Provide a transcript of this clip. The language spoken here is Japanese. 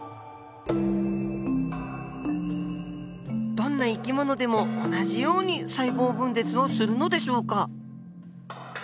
どんな生き物でも同じように細胞分裂をするのでしょうか。